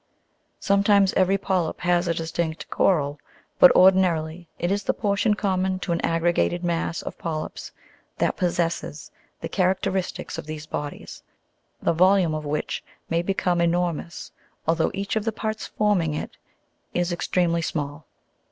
Sometimes every polyp has a distinct coral, but ordinarily it is the portion common to an aggregated mass of polyps that possesses the characteristics of these bodies, the volume of which may become enormous, although each of the parts forming it is extremely small.